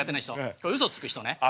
あうそつく人ね。